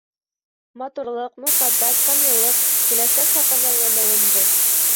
Матурлыҡ, мөхәббәт, камиллыҡ, киләсәк хаҡына инаныуым был.